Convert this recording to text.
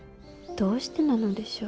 どうしてなのでしょう。